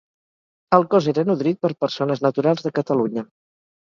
El cos era nodrit per persones naturals de Catalunya.